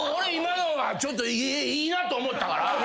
今のはちょっといいなと思ったから。